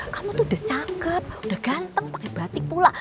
kamu tuh udah cakep udah ganteng pake batik pula